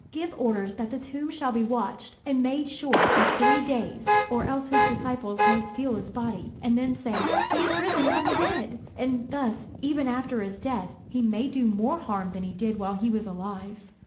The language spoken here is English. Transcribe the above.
Give orders that the tomb shall be watched and made sure for three days, or else his disciples may steal his body, and then say, 'He is risen from the dead'; and thus even after his death he may do more harm than he did while he was alive."